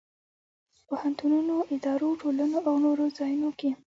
پوهنتونونو، ادارو، ټولنو او نور ځایونو کې.